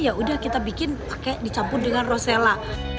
ya udah kita bikin pakai dicampur dengan rosella